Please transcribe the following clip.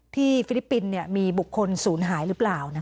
ฟิลิปปินส์มีบุคคลศูนย์หายหรือเปล่า